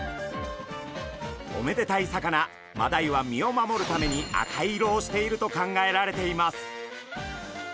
おめでたい魚マダイは身を守るために赤色をしていると考えられています。